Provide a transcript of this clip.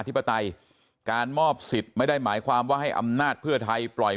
ธิปไตยการมอบสิทธิ์ไม่ได้หมายความว่าให้อำนาจเพื่อไทยปล่อย